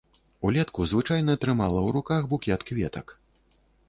Улетку звычайна трымала ў руках букет кветак.